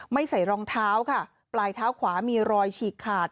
ใส่รองเท้าค่ะปลายเท้าขวามีรอยฉีกขาด